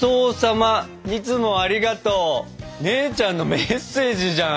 姉ちゃんのメッセージじゃん。